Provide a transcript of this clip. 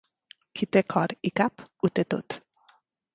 Qui té cor i cap ho té tot.